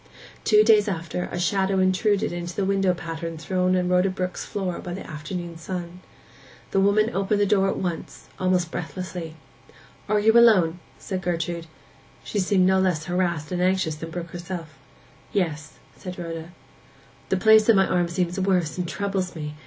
Two days after, a shadow intruded into the window pattern thrown on Rhoda Brook's floor by the afternoon sun. The woman opened the door at once, almost breathlessly. 'Are you alone?' said Gertrude. She seemed to be no less harassed and anxious than Brook herself. 'Yes,' said Rhoda. 'The place on my arm seems worse, and troubles me!